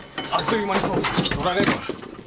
あっという間に捜査の指揮取られるわ。